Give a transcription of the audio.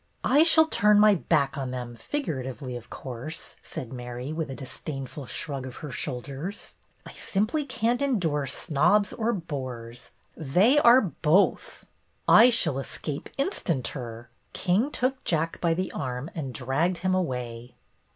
"I shall turn my back on them, figuratively 54 BETTY BAIRD'S GOLDEN YEAR of course/' said Mary, with a disdainful shrug of her shoulders. "I simply can't endure snobs or bores. They are both." ''I shall escape instanter." King took Jack by the arm and dragged him away.